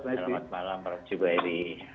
selamat malam prof zubairi